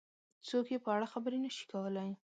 څوک یې په اړه خبرې نه شي کولای.